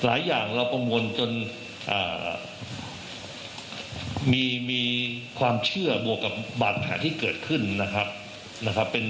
หลายอย่างเราประมวลจนมีความเชื่อบวกกับบาดแผลที่เกิดขึ้นนะครับ